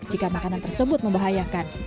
jika makanan tersebut membahayakan